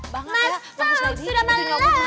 masuk sudah malam